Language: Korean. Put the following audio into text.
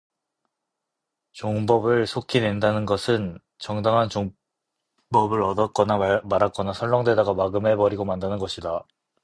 종법을 속히 낸다는 것은 정당한 종법을 얻었거나 말았거나 설렁대다가 막음해 버리고 만다는 것이다.